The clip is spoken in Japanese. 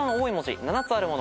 ７つあるもの